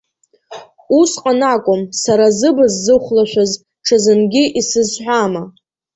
Усҟан акәым, сара, зыбз зыхәлашәаз, ҽазынгьы исызҳәама.